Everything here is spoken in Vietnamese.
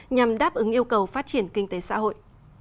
nhằm đáp ứng yêu cầu phát triển kinh tế xã hội